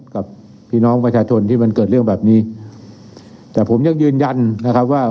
กับพี่น้องประชาชนที่มันเกิดเรื่องแบบนี้แต่ผมยังยืนยันนะครับว่า